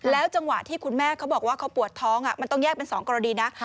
จังหวะที่คุณแม่เขาบอกว่าเขาปวดท้องมันต้องแยกเป็น๒กรณีนะ